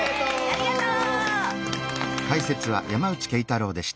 ありがとう！